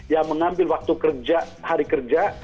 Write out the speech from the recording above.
yang mengambil waktu kerja hari kerja